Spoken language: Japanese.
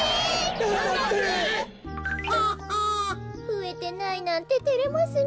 ふえてないなんててれますねえ。